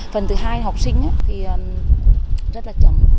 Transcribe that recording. phần thứ hai học sinh thì rất là chậm